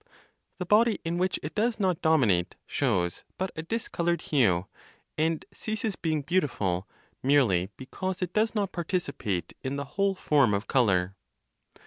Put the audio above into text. The body in which it does not dominate, shows but a discolored hue, and ceases being beautiful, merely because it does not participate in the whole form of color.